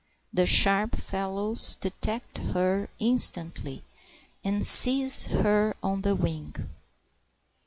The sharp fellows detect her instantly, and seize her on the wing.